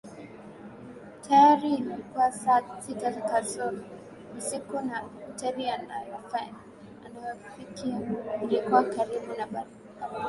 Tayari ilikua saa sita kasoro usiku na hoteli anayofikia ilikuwa karibu na barabarani